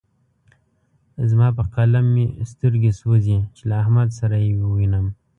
زما په قلم مې سترګې سوځې چې له احمد سره يې ووينم.